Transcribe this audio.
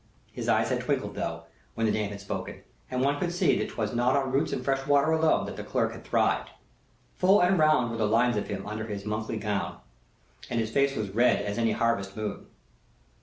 His eyes had twinkled, though, when the dame had spoken; and one could see that 'twas not on roots and fresh water alone that the clerk had thrived. Full and round were the lines of him under his monkly gown; and his face was red as any harvest moon.